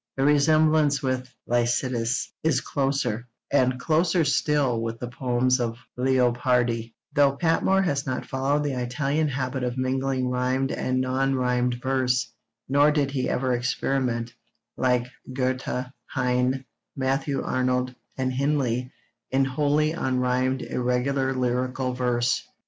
The resemblance with Lycidas is closer, and closer still with the poems of Leopardi, though Patmore has not followed the Italian habit of mingling rhymed and non rhymed verse, nor did he ever experiment, like Goethe, Heine, Matthew Arnold, and Henley, in wholly unrhymed irregular lyrical verse.